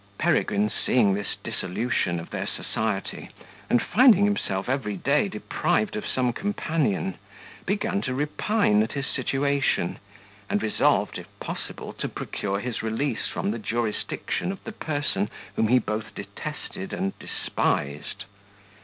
Peregrine seeing this dissolution of their society, and finding himself every day deprived of some companion, began to repine at his situation, and resolved, if possible, to procure his release from the jurisdiction of the person whom he both detested and despised.